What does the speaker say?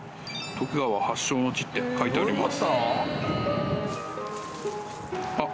「徳川氏発祥の地」って書いてありますね。